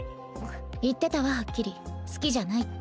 言ってたわはっきり好きじゃないって。